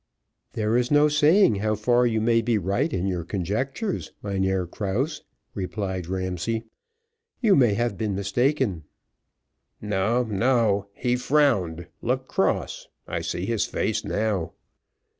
"There is no saying how far you may be right in your conjectures, Mynheer Krause," replied Ramsay: "you may have been mistaken." "No, no, he frowned looked cross I see his face now."